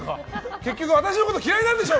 結局、私のこと嫌いなんでしょ！